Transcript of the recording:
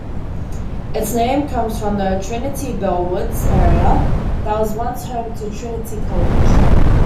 Its name comes from the Trinity-Bellwoods area that was once home to Trinity College.